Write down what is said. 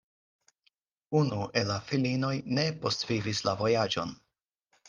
Unu el la filinoj ne postvivis la vojaĝon.